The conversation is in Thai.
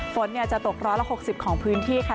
ฝนจะตกร้อนละ๖๐ของพื้นที่ค่ะ